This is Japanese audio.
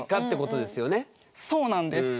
そうなんです。